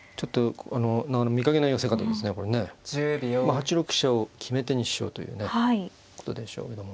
８六飛車を決め手にしようというねことでしょうけども。